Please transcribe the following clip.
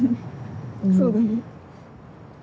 そうだね。